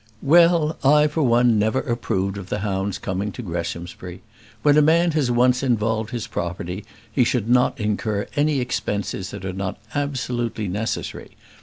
"Well, I for one never approved of the hounds coming to Greshamsbury. When a man has once involved his property he should not incur any expenses that are not absolutely necessary.